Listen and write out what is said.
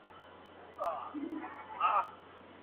علمي مجله پرته له پلانه نه پراخیږي.